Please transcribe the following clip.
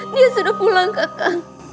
dia sudah pulang kakak